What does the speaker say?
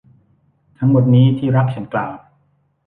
ทั้งหมดนี้ ที่รัก ฉันกล่าว